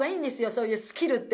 そういうスキルって。